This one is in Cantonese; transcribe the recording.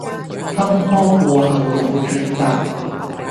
坎坷過後有艇搭！